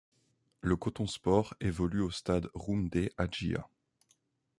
Le Coton Sport évolue au stade Roumdé Adjia.